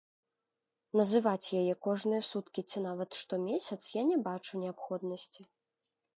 Называць яе кожныя суткі ці нават штомесяц я не бачу неабходнасці.